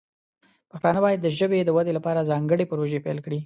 پښتانه باید د ژبې د ودې لپاره ځانګړې پروژې پیل کړي.